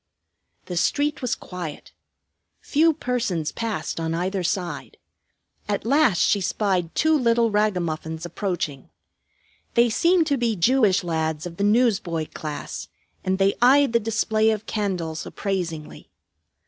The street was quiet. Few persons passed on either side. At last she spied two little ragamuffins approaching. They seemed to be Jewish lads of the newsboy class, and they eyed the display of candles appraisingly.